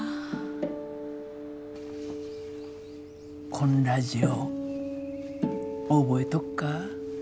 こんラジオ覚えとっか？